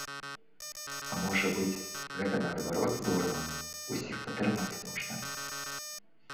А можа быць, гэта наадварот здорава, усіх падтрымаць можна?